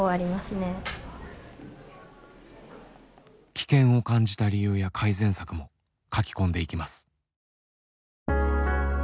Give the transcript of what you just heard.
危険を感じた理由や改善策も書き込んでいきます。